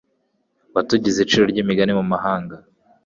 Watugize iciro ry’imigani mu mahanga